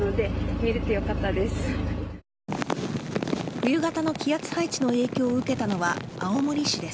冬型の気圧配置の影響を受けたのは青森市です。